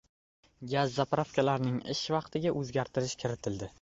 “Gaz zapravka”larning ish vaqtiga o‘zgartirish kiritildi